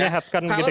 menyehatkan gitu ya